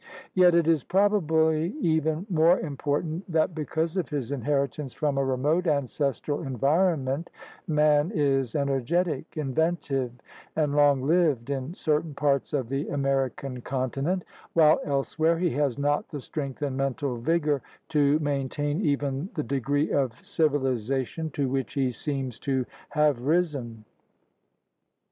Yet it is probably even more important that because of his inheritance from a remote ancestral environment man is energetic, inventive, and long lived in certain parts of the American continent, while elsewhere he has not the strength and mental vigor to maintain even the degree of civilization to which he seems to have risen.